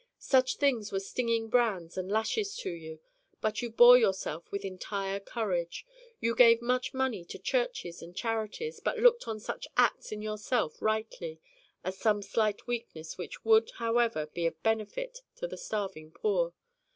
Such things were stinging brands and lashes to you. But you bore yourself with entire courage. You gave much money to churches and charities but looked on such acts in yourself rightly as some slight weakness which would, however, be of benefit to the starving poor.